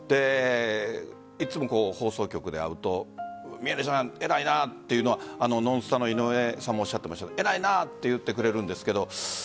いつも放送局で会うと宮根さん、偉いなというのはノンスタの井上さんもおっしゃってましたが偉いなと言ってくれるんですけど